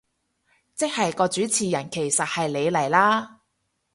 即係個主持人其實係你嚟啦